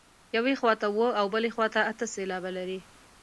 یوې خوا ته اووه او بلې ته اته سېلابه لري.